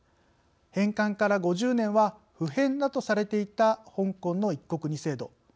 返還から５０年は不変だとされていた香港の「一国二制度」。